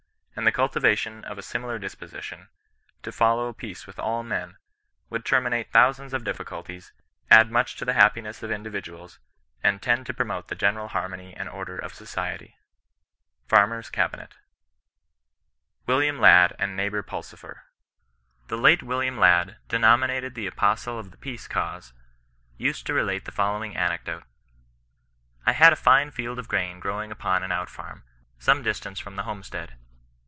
And the cultivation of a similar dis position, * to follow peace with all men,' would terminate thousands of difficulties, add much to the happiness of individuals, and tend to promote the general harmony and order of society. — Farmer's Cabinet, WILLIAM LADD AND NEIGHBOUR PULSIFER. The late William Ladd, denominated the apostle of the peace cause, used to relate the following anecdote :—" I had a fine field of grain growing upon an out farm, some distance from the homestead.